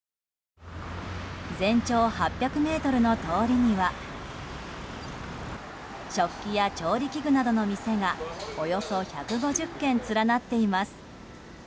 全長８００ｍの通りには食器や調理器具などの店がおよそ１５０軒連なっています。